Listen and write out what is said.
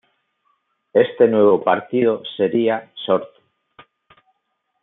Este nuevo partido sería Sortu.